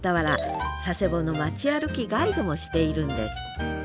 佐世保の町歩きガイドもしているんです